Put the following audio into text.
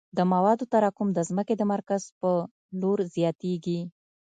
د موادو تراکم د ځمکې د مرکز په لور زیاتیږي